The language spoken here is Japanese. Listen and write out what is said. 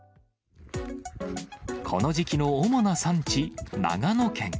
この時期の主な産地、長野県。